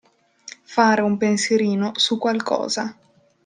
Fare un pensierino su qualcosa.